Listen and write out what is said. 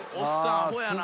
アホやな。